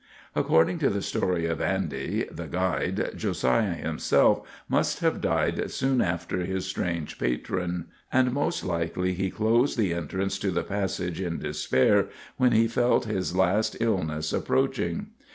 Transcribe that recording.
According to the story of Andy, the guide, Josiah himself must have died soon after his strange patron, and most likely he closed the entrance to the passage in despair when he felt his last illness approaching.